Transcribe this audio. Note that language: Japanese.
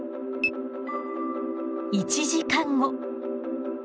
１時間後。